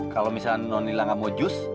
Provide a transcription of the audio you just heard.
kalau misalnya nonila gak mau jus